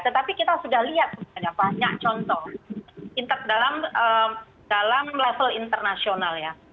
tetapi kita sudah lihat banyak contoh dalam level internasional ya